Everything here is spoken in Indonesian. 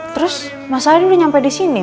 terus mas arief udah sampai di sini